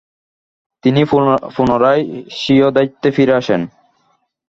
তিনি পুনরায় স্বীয় দায়িত্বে ফিরে আসেন।